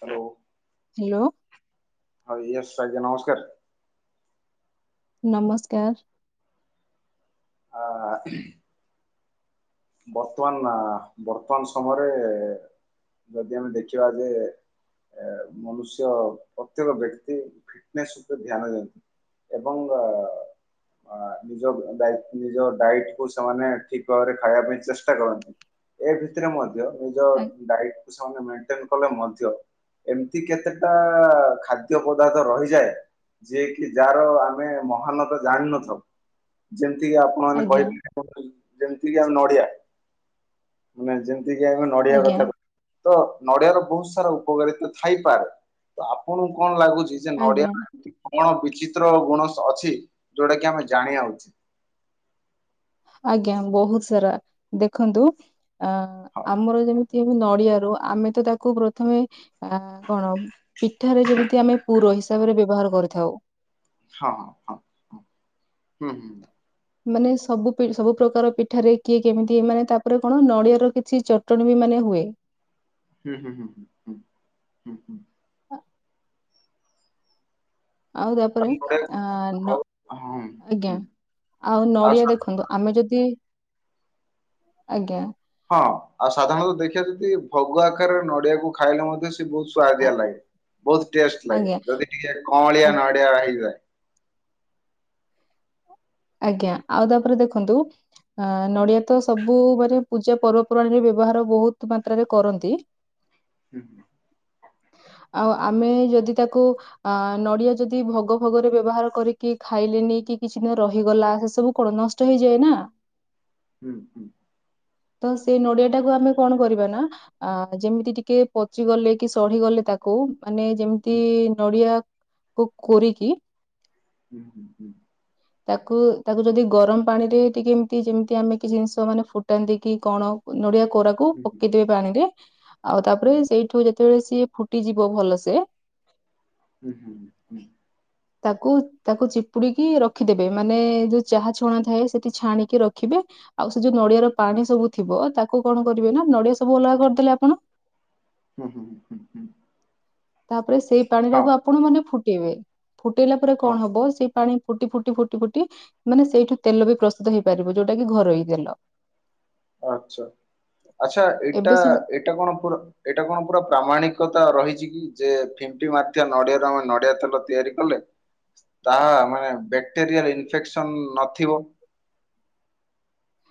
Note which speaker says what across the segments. Speaker 1: Hello.
Speaker 2: Hello.
Speaker 1: Yes ଆଜ୍ଞା ନମସ୍କାର।
Speaker 2: ନମସ୍କାର।
Speaker 1: ଆ ବର୍ତ୍ତମାନ ବର୍ତ୍ତମାନ ସମୟରେ ଯଦି ଆମେ ଦେଖିବା ଯେ ମନୁଷ୍ୟ ପ୍ରତ୍ୟେକ ବ୍ୟକ୍ତି ଫିଟନେସ ଉପରେ ଧ୍ୟାନ ଦିଅନ୍ତି। ଏବଂ ଆ ନିଜ ନିଜ ଡାଇଟ କୁ ସେମାନେ ଠିକ ଭାବରେ ଖାଇବା ପାଇଁ ଚେଷ୍ଟା କରନ୍ତି। ଏ ଭିତରେ ମଧ୍ୟ ନିଜ
Speaker 2: ଆ-
Speaker 1: ଡାଇଟ୍ ସେମାନେ ମେଣ୍ଟେନ୍‌ କଲେ ମଧ୍ୟ ଏମିତି କେତେଟା ଖାଦ୍ୟ ପଦାର୍ଥ ରହିଯାଏ। ଯିଏ କି ଯାହାର ଆମେ ମହାନତା ଜାଣିନଥାଉ ଯେମ୍ ଏମିତି ଆପଣ ମାନେ
Speaker 2: ଆଜ୍ଞା।
Speaker 1: କହିପାରେ ଯେମିତିକ ଆଉ ନଡିଆ ମାନେ ଯେ ଯେଏକି ଆମେ ନଡିଆ
Speaker 2: ଆଜ୍ଞା
Speaker 1: କଥା କହିବା ତ ନଡିଆର ବହୁତ ସାରା ଉପକାରିତା ଥାଇପାରେ ତ ଆପଣଙ୍କୁ କଣ ଲାଗୁଚି? ନଡିଆ
Speaker 2: ଆଜ୍ଞା
Speaker 1: ଏମିତି କଣ ବିଚିତ୍ର ଗୁଣ ଅଛି ଯୋଉଟା କି ଆମେ ଜାଣିବା ଉଚିତ।
Speaker 2: ଆଜ୍ଞା ବହୁତ ସାରା ଦେଖନ୍ତୁ ଆଁ
Speaker 1: ହଁ
Speaker 2: ଆମର ଯେମି ନଡିଆରୁ ଆମେ ତ ତାକୁ ପ୍ରଥମେ ଆ କଣ ପିଠାରେ ଯେମିତି ଆମେ ପୁରଉ ହିସାବରେ ବ୍ୟବହାର କରିଥାଉ।
Speaker 1: ହଁ ହଁ ହ ହୁଁ ହୁଁ।
Speaker 2: ମାନେ ସବୁ ସବୁ ପ୍ରକାର ପିଠାରେ କିଏ କେମିତି ମାନେ ତାପରେ କଣ ନଡିଆର କିଛି ଚଟଣୀ ବି ମାନେ ହୁଏ।
Speaker 1: ହୁଁ ହୁଁ ହୁଁ ହୁଁ ହୁଁ ହୁଁ ହୁଁ।
Speaker 2: ଆ- ଆଉ ତା ପରେ
Speaker 1: ତାପରେ
Speaker 2: ଆ ଆ ନ
Speaker 1: ଆଉ ହଁ।
Speaker 2: ଆଜ୍ଞା
Speaker 1: ହୁଁ।
Speaker 2: ଆଉ ନଡ଼ିଆ ଦେଖନ୍ତୁ ଆମେ ଯଦି [inaudible] ଆଜ୍ଞା।
Speaker 1: ହଁ ଆଉ ସାଧାରଣତଃ ଦେଖିବା ଯଦି ଭୋଗ ଆକାରରେ ନଡିଆକୁ ଖାଇଲେ ମଧ୍ୟ ବହୁତ
Speaker 2: ଆ-
Speaker 1: ସୁଆଦିଆ ଲାଗେ ବହୁତ ଟେଷ୍ଟ ଲାଗେ
Speaker 2: ଆଜ୍ଞା।
Speaker 1: ଯଦି ଟିକେ କଅଁଳିଆ ନଡିଆ ରଇଯାଏ।
Speaker 2: ଆଜ୍ଞା ଆଉ ତାପରେ ଦେଖନ୍ତୁ ଅ ନଡିଆ ତ ସବୁ ମାନେ ପୂଜା ପର୍ବପର୍ବାଣୀରେ ବ୍ୟବହାର ବହୁତ ମାତ୍ରାରେ କରନ୍ତି।
Speaker 1: ହୁଁ ହୁଁ।
Speaker 2: [inaudible] ଆଉ ଆମେ ଯଦି ତାକୁ ଅ ନଡିଆ ଯଦି ଭୋଗ ଭୋଗରେ ବ୍ୟବହାର କରିକି ଖାଇଲେନି କିଛି ନୁହଁ ରହିଗଲା ସେ ସବୁ କଣ ନଷ୍ଟ ହେଇଯାଏ ନା
Speaker 1: ହୁଁ ହୁଁ।
Speaker 2: ତ ସେଇ ନଡିଆ ଟାକୁ ଆମେ କଣ କରିବା ନା ଯେମିତି ଟିକେ ପଚି ଗଲେ କି ସଢିଗଲେ ତାକୁ ମାନେ ଯେମିତି
Speaker 1: ହୁଁ
Speaker 2: ନଡିଆ କୁ କୋରିକି
Speaker 1: ହୁଁ ହୁଁ ହୁଁ।
Speaker 2: ତାକୁ ତାକୁ ଯଦି ଗରମ ପାଣି ରେ ଟିକେ ଏମିତି ଯେମତି ଆମେ କି ଜିନିଷ ମାନେ ଫୁଟାନ୍ତି କି କଣ ନଡିଆ କୋରା କକୁ
Speaker 1: ହୁଁ ହୁଁ
Speaker 2: ପକେଇଦବେ ପାଣି ରେ ଆଉ
Speaker 1: ହୁଁ।
Speaker 2: ତାପରେ ସେଇଠୁ ଯେତେବେଳେ ସିଏ ଫୁଟିଯିବ ଭଲସେ
Speaker 1: ହୁଁ ହୁଁ ହୁଁ।
Speaker 2: ତାକୁ ତାକୁ ଚିପୁଡିକି ରଖିଦେ ମାନେ ଯୋଉ ଚାହା ଛଣା ଥାଏ ସେଠି ଛାଣିକି ରଖିବେ ଆଉ ଯୋଉ ନଡିଆର ପାଣି ସବୁ ଥିବ ତାକୁ କଣ କରିବେ ନା ନଡିଆ ସବୁ ଅଲଗା କରିଦେଲେ ଆପଣ
Speaker 1: ହୁଁ ହୁଁ ହୁଁ ହୁଁ।
Speaker 2: ତାପରେ ସେଇ ପାଣି ଟାକୁ ଆପଣ ମାନେ ଫୁଟେଇବେ ଫୁଟେଇଲା ପରେ
Speaker 1: ହଁ
Speaker 2: କଣ
Speaker 1: ହଁ
Speaker 2: ହବ ସେଇ ପାଣି ଫୁଟି ଫୁଟି ଫୁଟି ଫୁଟି ମାନେ ସେଇଠୁ ତେଲ ବି ପ୍ରସ୍ତୁତ ହେଇପାରିବ ଯୋଉଟା କି ଘରୋଇ ତେଲ।
Speaker 1: ଆଚ୍ଛା ଆଚ୍ଛା ଏଇଟା
Speaker 2: ଏବେ ସବୁ
Speaker 1: ଏଇଟା କଣ ପୁର ଏଇଟା କଣ ପୁରା ପ୍ରାମାଣିକ ରହିଛି କି ଯେ ଫିଣ୍ଟି ମ ନଡିଆରୁ ଆମେ ନଡିଆ ତେଲ ତିଆରି କଲେ ତାହା ମାନେ ବ୍ୟାକ୍ଟେରିଆଲ ଇନଫେକ୍ସନ ନଥିବ?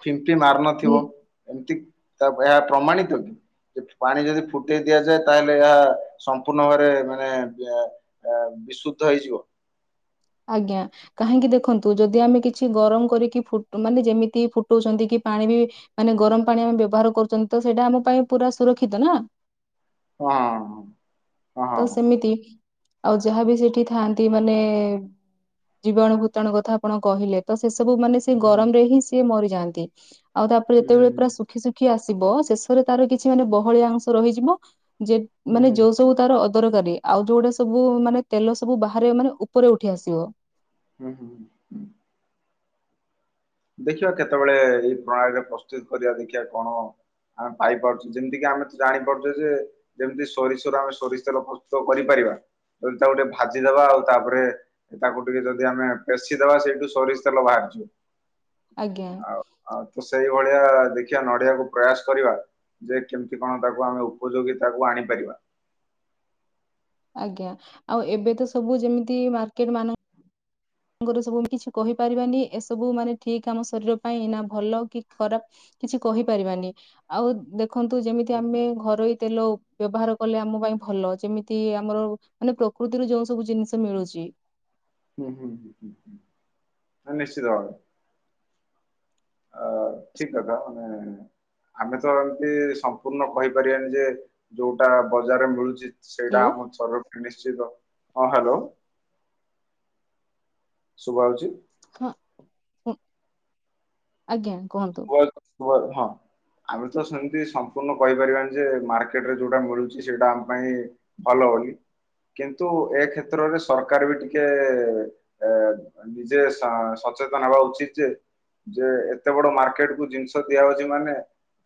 Speaker 1: ଫିମ୍ପି ମାର ନଥିବ ଏମିତି ଏହା ପ୍ରମାଣିତ କି? ପାଣି ଯଦି ଫୁଟେଇ ଦିଆଯାଏ ତାହେଲେ ଏହା ସମ୍ପୂର୍ଣ୍ଣ ଭାବରେ ମାନେ [inaudible] ବିଶୁଦ୍ଧ ହେଇଯିବ?
Speaker 2: ହଁ। ଆଜ୍ଞା କାହିଁକି ଦେଖନ୍ତୁ ଯଦି ଆମେ କିଛି ଗରମ କରିକି ମାନେ ଯେମିତି ଫୁଟାଉଛନ୍ତି କି ପାଣି ବି ମାନେ ଗରମ ପାଣି ଆମେ ବ୍ୟବହାର କରୁଛନ୍ତି ତ ସେଇଟା ଆମ ପାଇଁ ପୁରା ସୁରକ୍ଷିତ ନା।
Speaker 1: ହଁ। ହଁ
Speaker 2: ତ
Speaker 1: ହଁ।
Speaker 2: ସେମିତି ଆଉ ଯାହାବି ସେଇଠି ଥାଆନ୍ତି ମାନେଏ-ଏ ଜୀବାଣୁ ଭୂତାଣୁ କଥା ଆପଣ କହିଲେ ତ ସ୍ ସେ ସବୁମାନେ ସେ
Speaker 1: ହଁ।
Speaker 2: ଗରମରେ ହିଁ ସେ ମରିଯାଆନ୍ତି ଆଉ ତାପରେ
Speaker 1: ହୁଁ
Speaker 2: ଯେତେବେଳେ ପୁରା ଶୁଖି ଶୁଖି ଆସ୍ ସିବ ଶେଷରେ ତାର କିଛି ମାନେ ବହଳିଆ ଅଂଶ ରହିଯିବ ଯେ
Speaker 1: ହୁଁ ହୁଁ ହୁଁ
Speaker 2: ମାନେ ଯୋଉ ସବୁ ତାର ଅଦରକାରୀ, ଆଉ ଯୋଉଗୁଡା ସବୁ ମାନେ ତେଲସବୁ ବାହାରେ ମାନେ ଉପରେ ଉଠି ଆସିବ।
Speaker 1: ହୁଁ-ହୁଁ-ହୁଁ। ଦେଖିବା କେତେବେଳେ ଏଇ ପ୍ରଣାଳୀରେ ପ୍ରସ୍ତୁତ କରିବା ଦେଖିବା କଣ ଆମେ ପାଇପାରୁଛେ ଯେମିତି କିି ଆମେ ତ ଜାଣିପାରୁଛେ ଯେ ଯେମିତି ସୋରିଷରୁ ଆମେ ସୋରିଷ ତେଲ ପ୍ରସ୍ତୁତ କରିପାରିବା। ଯଦି ତାକୁ ଟିକେ ଭାଜିଦେବା ଆଉ ତାପରେ ତାକୁ ଟିକେ ଯଦି ଆମେ ପେଶିଦେବା ସେଇଠୁ ସୋରିଷ ତେଲ ବାହାରି ଆଉ
Speaker 2: ଆଜ୍ଞା।
Speaker 1: ଆଉ ତ ସେଇ ଭଳିଆ ଦେଖିବା ନଡିଆକୁ ପ୍ରୟାସ୍ କରିବା। ଯେ କେମିତି କଣ ତାକୁ ଆମେ ଉପଯୋଗୀ ତାକୁ ଆଣିପାରିବା।
Speaker 2: ଆଜ୍ଞା, ଆଉ ଏବେ ତ ସବୁ ଯେମିତି ମାର୍କେଟ ମାନେ ଆଗରୁ ସବୁ ଆମେ କିଛି କହିପାରିବାନି ଏସବୁ ମାନେ ଠିକ୍ ଆମ ଶରୀର ପାଇଁ ନା ଭଲ କି ଖରାପ୍ କିଛି କହିପାରିବାନି ଆଉ ଦେଖନ୍ତୁ ଯେମିତି
Speaker 1: ହୁଁ
Speaker 2: ଆମେ ଘରୋଇ ତେଲ ବ୍ୟବହାର କଲେ ଆମ ପାଇଁ ଭଲ ଯେମିତି ଆମର ମାନେ ପ୍ରକୃତିରୁ ଯୋଉ ସବୁ ଜିନିଷ ମିଳୁଛି।
Speaker 1: ହୁଁ-ହୁଁ-ହୁଁ। ଆ ନିଶ୍ଚିତ ଭାବରେ
Speaker 2: [inaudible]
Speaker 1: ଠିକ୍ କଥା ମାନେ ଆମେ ତ ଏମତି ସମ୍ପୂର୍ଣ୍ଣ କହିପାରିବାନି ଯେ ଯୋଉଟା ବଜାରରେ ମିଳୁଛି ସେଇଟା
Speaker 2: ହ୍ୟାଲୋ
Speaker 1: ଆମ ସ୍ତରର ନିଶ୍ଚିତ, ହଁ ହ୍ୟାଲୋ? ଶୁଭାଯାଉଛି?
Speaker 2: ହଁ ଆଜ୍ଞା କୁହନ୍ତୁ।
Speaker 1: [inaudible] ହଁ। ଆମେ ତ ସେମିତି ସମ୍ପୂର୍ଣ୍ଣ କହିପାରିବାନି ଯେ ମାର୍କେଟରେ ଯୋଉଟା ମିଳୁଛି ସେଇଟା ଆମ ପାଇଁ ଭଲ। ହଁ କି କିନ୍ତୁ ଏ କ୍ଷେତ୍ରରେ ସରକାର ବି ଟିକେଏ-ଏ-ଏ ଏ ନିଜେ ସା ସ ସଚେତନ ହେବା ଉଚିତ ଯେ ଯେ ଏତେ ବଡ ମାର୍କେଟ କୁ ଜିନିଷ ଦିଆଯାଉଛି ମାନେ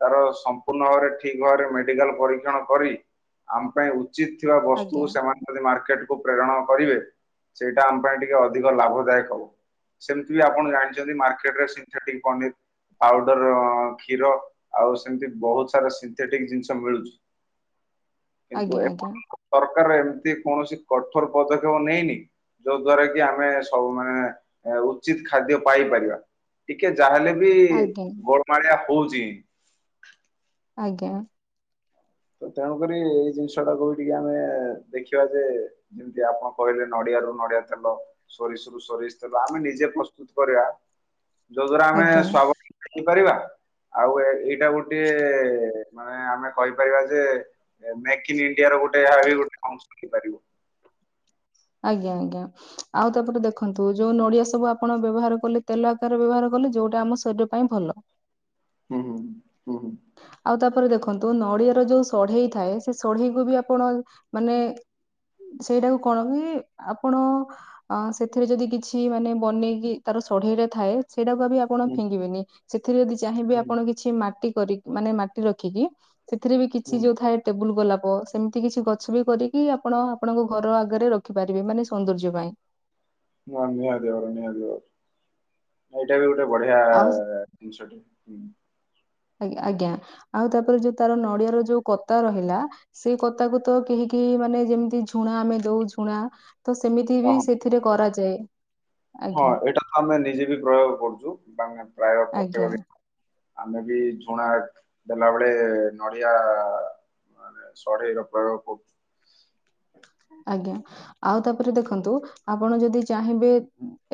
Speaker 1: ତାର ସମ୍ପୂର୍ଣ ଭାବରେ ଠିକ୍ ଭାବରେ ମେଡିକାଲ୍ ପରୀକ୍ଷଣ କରି ଆମ ପାଇଁ ଉଚିତ୍ ଥିବା ବସ୍ତୁ
Speaker 2: ଆଜ୍ଞା
Speaker 1: ସେମାନେ ଯଦି ମାର୍କେଟ କୁ ପ୍ରେରଣ କରିବେ ସେଇଟା ଆମ ପାଇଁ ଟିକେ ଅଧିକ ଲାଭଦାୟକ ହବ। ସେମିତି ବି ଆପଣ ଜାଣିଛନ୍ତି ମାର୍କେଟରେ ସିନ୍ଥେଟିକ୍ ପନିର୍ ପାଉଡର କ୍ଷୀର ଆଉ ସେମତି ବହୁତ ସାରା ସିନ୍ଥେଟିକ ଜିନିଷ ମିଳୁଛି।
Speaker 2: [inaudible]
Speaker 1: କିନ୍ତୁ
Speaker 2: ଆଜ୍ଞା ଆଜ୍ଞା
Speaker 1: [inaudible] ସରକାର ଏମିତି କୌଣସି କଠୋର ପଦକ୍ଷେପ ନେଇନି ଯୋଉ ଦ୍ଵାରା କି ଆମେ ସବୁ ମାନେ ଉଚିତ ଖାଦ୍ୟ ପାଇପାରିବା ଟିକେ ଯାହାହେଲେ ବି ବି
Speaker 2: ଆଜ୍ଞା
Speaker 1: ଗୋଳମାଳିଆ ହଉଚି।
Speaker 2: ଆଜ୍ଞା।
Speaker 1: ତ ତେଣୁକରି ଏଇ ଜିନିଷଟାକୁ ବି ଟିକେ ଆମେ ଦେଖିବା ଯେ ଯେମିତି ଆପଣ କହିଲେ ନଡି ନଡିଆରୁ ନଡିଆ ତେଲ ସୋରିଷରୁ ସୋରିଷ ତେଲ ଆମେ ନିଜେ ପ୍ରସ୍ତୁତ କରିବା। ଯୋଉ ଦ୍ଵାରା ଆମେ
Speaker 2: ଆଜ୍ଞା
Speaker 1: ସ୍ଵଭାବିକ ହେଇପାରିବା ଆଉ ଏଇ ଏଇଟା ଗୋଟିଏ ମାନେ ଆମେ କହି କହିବା ଯେ ମେକ୍ ଇନ ଇଣ୍ଡିଆର ଗୋଟେ ଏହା ବି ଗୋଟେ ଅଂଶ ହେଇପାରିବ।
Speaker 2: ଆଜ୍ଞା-ଆଜ୍ଞା, ଆଉ ତାପରେ ଦେଖନ୍ତୁ ଯୋଉ ନଡିଆ ସବୁ ଆପଣ ବ୍ୟବହାର କଲେ ତେଲ ଆକାରେ ବ୍ୟବହାର କଲେ ଯୋଉଟା ଆମ ଶରୀର ପାଇଁ ଭଲ।
Speaker 1: ହୁଁ-ହୁଁ ହୁଁ-ହୁଁ।
Speaker 2: ଆଉ ତାପରେ ଦେଖନ୍ତୁ ନଡିଆର ଯୋଉ ସଢେଇ ଥାଏ ସେ ସଢେଇ କୁ ବି ଆପଣ ମାନେ ସେଇଟାକୁ କଣ କି ଆପଣ ସେଥିରେ ଯଦି କିଛି ମାନେ ବନେଇକି ତାର ସଢେଇରେ ଥାଏ ସେଇଟାକୁ ବି ଆପଣ
Speaker 1: ହୁଁ।
Speaker 2: ଫିଙ୍ଗିବେନି ସେଥିରେ ଯଦି ଚାହିଁବେି
Speaker 1: ହୁଁ
Speaker 2: ଆପଣ କିଛି ମାଟି କରି ମାନେ ମାଟି ରଖିକି ସେଥିରେ ବି
Speaker 1: ହୁଁ
Speaker 2: କିଛି ଯୋଉ ଥାଏ ଟେବୁଲ ଗୋଲାପ ପ ସେମିତି କିଛି ଗଛ ବି କରିକି ଆପଣ ଆପଣଙ୍କ ଘର ଆଗରେ ରଖିପାରିବେ ମାନେ ସୌନ୍ଦର୍ଯ୍ୟ ପାଇଁ। [inaudible]
Speaker 1: ମୋ ନିହାତି ଭାବରେ ନିହାତି ଭାବରେ ଆଉ ଏଟା ଗୋ ଟେ ବଢିଆ
Speaker 2: ଆଉ
Speaker 1: ଜିନିଷଟି। ହୁଁ,
Speaker 2: ଆ, ଆଜ୍ଞା ଆଉ ତାପରେ ଯୋଉ ତାର ନଡିଆର ଯୋଉ କତା ରହିଲା ସେଇ କତାକୁ ତ କେହି କି ମାନେ ଯେମିତି ଝୁଣା ଆମେ ଦଉ ଝୁଣା ତ ସେମିତି
Speaker 1: ହଁ
Speaker 2: ବି
Speaker 1: ହଁ
Speaker 2: ସେଥିରେ କରାଯାଏ।
Speaker 1: ହଁ
Speaker 2: ଆଜ୍ଞା
Speaker 1: ଏଇଟା ତ ଆମେ ନିଜେ ବି ପ୍ରୟୋଗ କରୁଚୁ। କାହିଁକି ନା ପ୍ରାୟ
Speaker 2: ଆଜ୍ଞା
Speaker 1: ପ୍ରତ୍ଯେକ ଦି ଆମେ ବି ଝୁଣା ଦେଲା ବେଳେ ନଡିଆ ମାନେ ସଢେଇ ର ପ୍ରୟୋଗ କରୁଛୁ।
Speaker 2: ଆଜ୍ଞା ଆଉ ତାପରେ ଦେଖନ୍ତୁ ଆପଣ ଯଦି ଚାହିଁବେ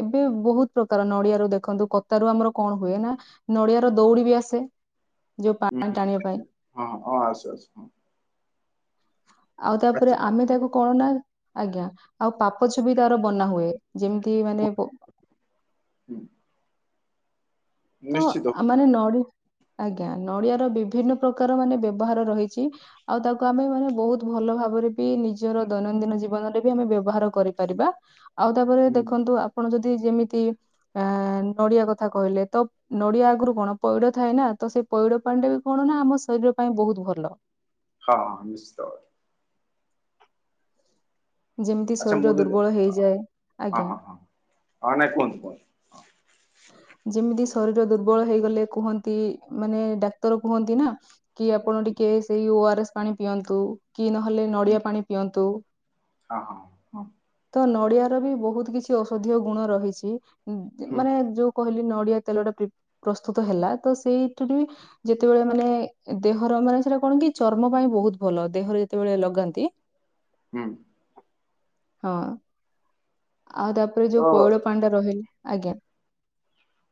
Speaker 2: ଏବେ ବହୁତ ପ୍ର କାର ନଡିଆରୁ ଦେଖନ୍ତୁ କତାରୁ ଆମର କଣ ହୁଏ ନା ନଡିଆ ର ଦଉଡି ବି ଆସେ। ଯୋଉ
Speaker 1: ହୁଁ
Speaker 2: ପାଣି
Speaker 1: ହୁଁ
Speaker 2: ଟାଣିବା ପାଇଁ।
Speaker 1: ହଁ ହଁ ହଁ ଆସୁ ଆସୁ ହଁ
Speaker 2: ଆଉ ତାପରେ
Speaker 1: ଆସୁ
Speaker 2: ଆମେ ତାକୁ କଣ ନା ଆଜ୍ଞା ଆଉ ପାପଛ ବି ତାର ବନା ହୁଏ। ଯେମିତି ମାନେ ପ
Speaker 1: ହୁଁ।
Speaker 2: ତ
Speaker 1: ନିଶ୍ଚିତ
Speaker 2: ଆ ମାନେ ନଡି ଆଜ୍ଞା, ନଡିଆ ର ବିଭିନ୍ନ ପ୍ରକାର ମାନେ ବ୍ୟବହାର ରହିଚି। ଆଉ ତାକୁ ଆମେ ମାନେ ବହୁତ ଭ ଭଲ ଭାବରେ ବି ନିଜର ଦୈନନ୍ଦିନ ଜୀବନରେ ବି ଆମେ ବ୍ୟବହାର କରିପାରିବା। ଆଉ ତାପରେ
Speaker 1: ହୁଁ
Speaker 2: ଦେଖନ୍ତୁ, ଆପଣ ଯଦି ଯେମିତି ଆ, ନଡିଆ କଥା କହିଲେ ତ ନଡିଆ ଆଗରୁ କଣ ପଇଡ ଥାଏ ନା। ତ ସେ ପଇଡ଼ ପାଣିଟା ବି କଣ ନା ଆମ ଶରୀର ପାଇଁ ବହୁତ ଭଲ?
Speaker 1: ହଁ ନିଶ୍ଚିତ।
Speaker 2: ଯେମିତି
Speaker 1: ଆଚ୍ଛା
Speaker 2: ଶରୀର
Speaker 1: ମୁଁ ଯଦି
Speaker 2: ଦୁର୍ବଳ ହେଇଯାଏ।
Speaker 1: ହଁ
Speaker 2: ଆଜ୍ଞା
Speaker 1: ହଁ ହଁ ହଁ ନାଇଁ କୁହନ୍ତୁ କୁହନ୍ତୁ
Speaker 2: ହଁ [unintelligible] ଯେମିତି ଶରୀର ଦୁର୍ବଳ ହେଇଗଲେ କୁହନ୍ତି, ମାନେ ଡାକ୍ତର କୁହନ୍ତି ନା କି ଆପଣ ଟିକେ କେ ସେଇ ଓ ଆର୍ ଏସ୍ ପାଣି ପିଅନ୍ତୁ। କି ନହେଲେ
Speaker 1: ହୁଁ
Speaker 2: ନଡ଼ିଆ ପାଣି ପିଅନ୍ତୁ।
Speaker 1: ହଁ, ହଁ, ହଁ।
Speaker 2: ତ ନଡିଆର ବି ବହୁତ କିଛି ଔଷଧୀୟ ଗୁଣ ରହିଚି। ଉଁ,
Speaker 1: ହୁଁ
Speaker 2: ମାନେ ଯୋଉ କହିଲି ନଡିଆ ତେଲଟା ପ୍ରିପ୍ ପ୍ରସ୍ତୁତ ହେଲା। ତ ସେଇଠୁରୁ ବି ଯେତେବେଳେ ମାନେ ଦେହର ତ ମାନେ ସେଟା କଣ କି ଚର୍ମ ପାଇଁ ବହୁତ ଭଲ। ଦେହରେ ଯେତେବେଳେ ଲଗାନ୍ତି
Speaker 1: ହୁଁ।
Speaker 2: ହଁ। ଆଉ ତାପରେ ଯୋଉ
Speaker 1: ତ
Speaker 2: ପଇଳ ପାଣିଟା ରହେ, ଆଜ୍ଞା,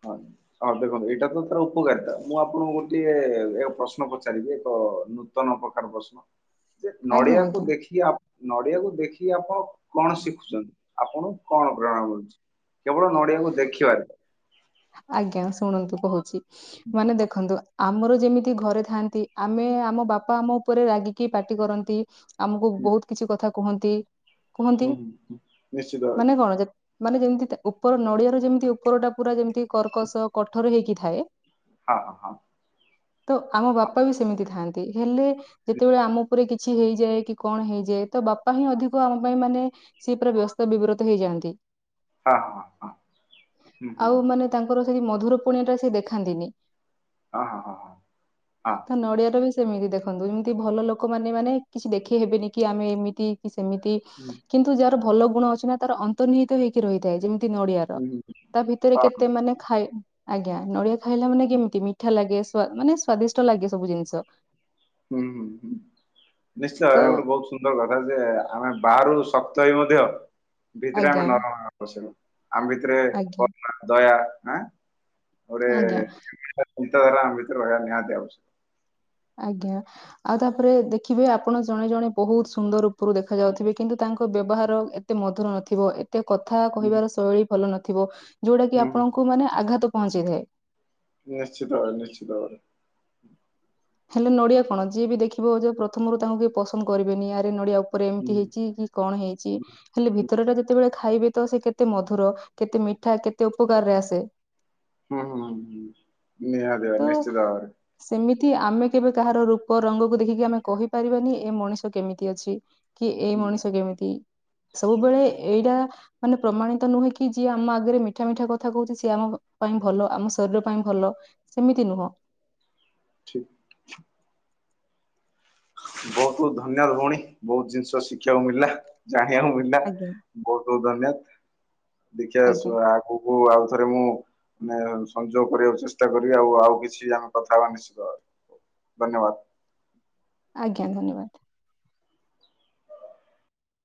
Speaker 1: ହଁ, ହଁ ଦେଖନ୍ତୁ ଏଇଟା ତ ତାର ଉପକାରିତା। ମୁଁ ଆପଣଙ୍କୁ ଗୋଟିଏ ଏକ ପ୍ରଶ୍ନ ପଚାରିବି ଏକ ହୋ ନୂତନ ପ୍ରକାର ପ୍ରଶ୍ନ। ଯେ
Speaker 2: ଆଜ୍ଞା
Speaker 1: ନଡିଆକୁ
Speaker 2: ଆଜ୍ଞା
Speaker 1: ଦେଖିକି ଆପ, ନଡିଆକୁ ଦେଖିକି ଆପଣ କଣ ଶିଖୁଛନ୍ତି? ଆପଣକୁ କଣ ପ୍ରେରଣା ମିଳୁଛି? କେବଳ ନଡିଆକୁ ଦେଖିବାରେ।
Speaker 2: ଆଜ୍ଞା, ଶୁଣନ୍ତୁ କହୁଚି। ମାନେ ଦେଖନ୍ତୁ ଆମର ଯେମିତି ଘରେ ଥାଆନ୍ତି, ଆମେ ଆମ ବାପା ଆମ ଉପରେ ରାଗିକି ପାାଟି କରନ୍ତି। ଆମକୁ
Speaker 1: ହୁଁ
Speaker 2: ବହୁତ କିଛି କଥା କୁହନ୍ତି, କୁହନ୍ତି,
Speaker 1: ହୁଁ ହୁଁ ହୁଁ, ନିଶ୍ଚିତ ଭାବେ
Speaker 2: ମାନେ କଣ, ଯେ ମାନେ ଯେମିତି ତା ଉପର ନଡିଆର ଯେମିତି ଉପର ଟା ପୁରା ଯେମିତି କର୍କସ କଠୋର ହେଇକି ଥାଏ।
Speaker 1: ହଁ, ହଁ,।
Speaker 2: ତ ଆମ ବାପା ବି ସେମିତି ଥାଆନ୍ତି, ହେଲେ ଯେତେବେଳେ ଆମ ଉପରେ କିଛି ହେଇଯାଏ। କି କଣ ହେଇ ଯେ ତ ବାପା ହିଁ ଅଧିକ ଆମ ପାଇଁ ମାନେ ସିଏ ପୁରା ବ୍ୟସ୍ତ ବିବ୍ରତ ହେଇଯାଆନ୍ତି।
Speaker 1: ହଁ, ହଁ, ହଁ, ହୁଁ, ହୁଁ।
Speaker 2: ଥର ସେଇ ମଧୁର ପଣିଆ ଟା ସେ ଦେଖାନ୍ତିନି।
Speaker 1: ହଁ, ହଁ, ହଁ, ହଁ।
Speaker 2: ତ ନଡିଆର ବି ସେମିତି ଦେଖନ୍ତୁ, ଏମିତି ଭଲ ଲୋକମାନେ ମାନେ କିଛି ଦେଖେଇ ହେବେନିକି ଆମେ ଏମିତି କି ସେମିତି,
Speaker 1: ହୁଁ
Speaker 2: କିନ୍ତୁ ଯାହାର ଭଲ ଗୁଣ ଅଛି ନା ତାର ଅନ୍ତର୍ନିହିତ ହେଇକି ରହିଥାଏ। ଯେମ ତି ନଡିଆ ର,
Speaker 1: ହୁଁ ହୁଁ
Speaker 2: ତା ଭିତରେ
Speaker 1: ହଁ ହଁ,
Speaker 2: କେତେ ମାନେ ଖାଇ, ଆଜ୍ଞା ନଡିଆ ଖାଇଲା ମାନେ କେମିତି? ମିଠା ଲାଗେ ସ୍ଵା ମାନେ ସ୍ଵାଦିଷ୍ଟ ଲାଗେ ସବୁ ଜିନିଷ।
Speaker 1: ହୁଁ ହୁଁ ହୁଁ ନିଶ୍ଚୟ
Speaker 2: ତ
Speaker 1: ଭାବେ ଗୋଟେ ବହୁତ ସୁନ୍ଦର୍ କଥା ଯେ ଆମେ ବାହାରୁ ଶକ୍ତ ହେଇ ମଧ୍ୟ ଭିତରେ
Speaker 2: ଆଜ୍ଞା
Speaker 1: ଆମେ ନରମ ପସିବୁ। ଆମ ଭିତରେ
Speaker 2: ଆଜ୍ଞା
Speaker 1: କର୍ ନା ଦୟା ଆଁ ଗୋଟେ
Speaker 2: ଆଜ୍ଞା
Speaker 1: ଭିତ ହେଲା ଆମ ଭିତରେ ରହିବା ନିହାତି ଆବଶ୍ୟକ।
Speaker 2: ଆଜ୍ଞା ଆଉ ତାପରେ ଦେଖିବେ ଆପଣ ଜଣେ ଜଣେ ବହୁତ ସୁନ୍ଦର ଉପରୁ ଦେଖା ଯାଉଥିବେ କିନ୍ତୁ ତାଙ୍କ ବ୍ୟ ବହାର ଏତେ ମଧୁର ନଥିବ ଏ ତେ କଥା
Speaker 1: ହୁଁ।
Speaker 2: କହିବାର ଶୈଳୀ ଭଲ ନଥିବ, ଯୋଉଟା କି ଆପଣଙ୍କୁ ମାନେ ଆଘାତ ପହଞ୍ଚେଇଥାଏ।
Speaker 1: ନିଶ୍ଚିତ ଭାବରେ ନିଶ୍ଚିତ ଭାବରେ।
Speaker 2: ହେଲେ ନଡିଆ କଣ ଯିଏ ବି ଦେଖିବ ଯେ ପ୍ରଥମରୁ ତାଙ୍କୁ କେହି ପସନ୍ଦ କରିବେନି ଆରେ ନଡିଆ ଉ ଉପରେ
Speaker 1: ହୁଁ
Speaker 2: ଏମିତି ହେଇଛି କି କଣ ହେଇଛି, ହେଲେ ଭିତର ଟା ଯେତେବେଳେ ଖାଇବେ ତ ସେ କେତେ ମଧୁର, କେତେ ମିଠା, କେତେ ଉପକାରରେ ଆସେ।
Speaker 1: ହୁଁ ହୁଁ ହୁଁ, ନିହାତି ଭାବେ ନିଶ୍ଚିତ ଭାବେ।
Speaker 2: କି ଆମେ କେବେ କାହାର ରୂପ ରଙ୍ଗକୁ ଦେଖିକି ଆମେ କହି ପାରିବାନି ଏ ମଣିଷ କେମିତି ଅଛି। କି ଏ
Speaker 1: ହୁଁ
Speaker 2: ମଣିଷ କେମିତି, ସବୁବେଳେ ଏଇଟା ମାନେ ପ୍ରମାଣିତ ନୁହେଁ କି ଯିଏ ଆମ ଆଗରେ ମିଠା ମିଠା କଥା କହୁଛି, ସିଏ ଆମ ପାଇଁ ଭଲ ଆମ ଶରୀର ପାଇଁ ଭ ଲ ସେମିତି ନୁହଁ।
Speaker 1: ଠିକ୍। ବୋହୁତ୍ ଧନ୍ୟ ଭଉଣୀ ବୋହୁତ୍ ଜିନିଷ ଶିଖିବାକୁ ମିଳିଲା। ଜାଣିବାକୁ ମିଳିଲା
Speaker 2: ଆଜ୍ଞା
Speaker 1: ବୋହୁତ୍ ବୋହୁତ୍ ଧନ୍ୟବାଦ୍। ଦେଖିବା
Speaker 2: ଆଜ୍ଞା
Speaker 1: ଆସୁ ଆଗକୁ ଆଉ ଥରେ ମୁଁ ମା [unintelligible] ସହଯୋଗ କରିବାକୁ ଚେଷ୍ଟା କରିବି। ଆଉ ଆଉ କିଛି ଆମେ କଥା ହବା ନିଶ୍ଚିତ। ଧନ୍ୟବାଦ୍।
Speaker 2: ଆଜ୍ଞା ଧନ୍ୟବାଦ୍।